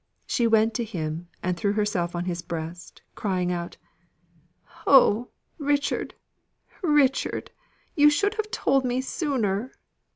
She went to him, and threw herself on his breast, crying out: "Oh! Richard, Richard, you should have told me sooner!"